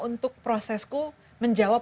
untuk prosesku menjawab